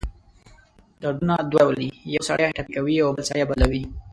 دردونه دوه ډؤله دی: یؤ سړی ټپي کوي اؤ بل سړی بدلؤي.